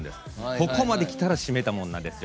ここまできたらしめたもんなんですよ。